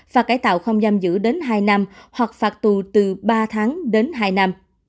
phạt cải tạo không giam giữ đến hai năm hoặc phạt tù từ ba tháng đến hai năm